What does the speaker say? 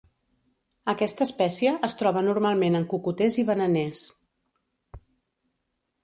Aquesta espècie es troba normalment en cocoters i bananers.